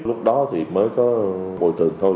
lúc đó thì mới có bùi thường thôi